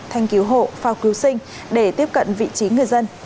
thanh cứu hộ phao cứu sinh để tiếp cận vị trí người dân